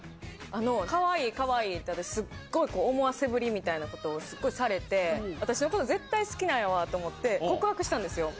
あの、かわいい、かわいいって、私、すっごい思わせぶりみたいなことを、すごいされて、私のこと絶対好きなんやわと思って、告白したんですよ。